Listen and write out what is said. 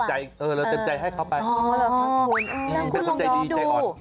เหลือเต็มใจให้เขาไปอ๋อขอบคุณอืมเป็นคนใจดีใจอ่อนแล้วคุณลองดู